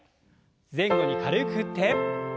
前後に軽く振って。